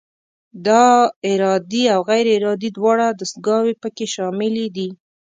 دا ارادي او غیر ارادي دواړه دستګاوې پکې شاملې دي.